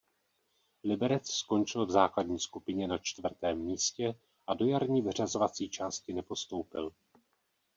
Liberec skončil v základní skupině na čtvrtém místě a do jarní vyřazovací části nepostoupil.